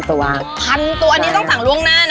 ตัวพันตัวอันนี้ต้องสั่งล่วงหน้านะ